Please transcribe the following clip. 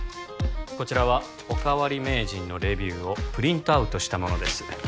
こちらはおかわり名人のレビューをプリントアウトしたものです